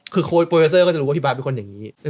คือโค้ดโปรเลเซอร์ก็จะรู้ว่าพี่บาทเป็นคนอย่างนี้